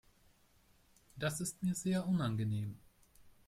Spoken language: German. Das ist mir sehr unangenehm.